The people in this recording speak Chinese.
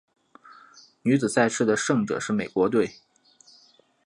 女子赛事的胜者是美国队。